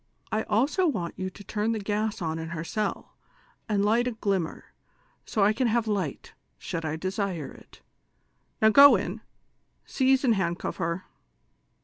I also want you to turn the gas on her cell, and light a glimmer, so 1 can have light, should I desire it ; now go in, seize and hand cuff her."